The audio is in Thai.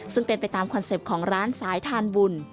ซึ่งเป็นไปตามคอนเซ็ปต์ของร้านสายทานบุญ